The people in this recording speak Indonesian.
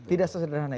tidak sesederhana itu